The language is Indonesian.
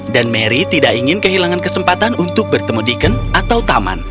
dan mary tidak ingin kehilangan kesempatan untuk bertemu deacon atau taman